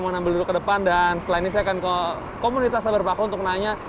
mau ambil dulu ke depan dan setelah ini saya akan ke komunitas sabar paku untuk nanya